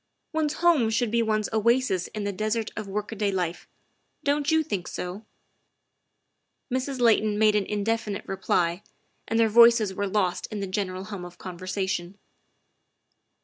One's home should be one's oasis in the desert of work a day life. Don 't you think so ?" Mrs. Layton made an indefinite reply, and their voices were lost in the general hum of conversation.